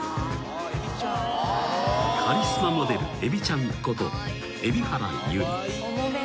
［カリスマモデルエビちゃんこと蛯原友里］